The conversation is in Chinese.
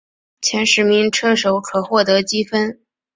前十名车手可获得积分。